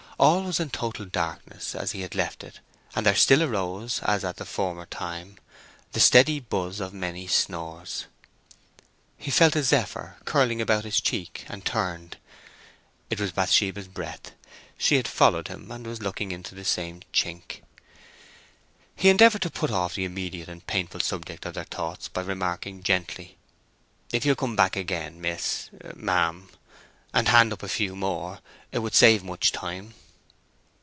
All was in total darkness, as he had left it, and there still arose, as at the former time, the steady buzz of many snores. He felt a zephyr curling about his cheek, and turned. It was Bathsheba's breath—she had followed him, and was looking into the same chink. He endeavoured to put off the immediate and painful subject of their thoughts by remarking gently, "If you'll come back again, miss—ma'am, and hand up a few more; it would save much time."